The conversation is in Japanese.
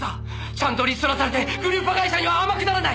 ちゃんとリストラされてグループ会社には天下らない！